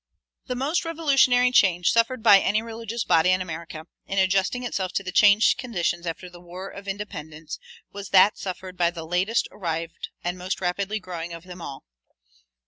The most revolutionary change suffered by any religious body in America, in adjusting itself to the changed conditions after the War of Independence, was that suffered by the latest arrived and most rapidly growing of them all.